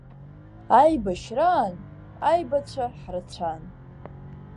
Аибашьраан аибацәа ҳрацәан.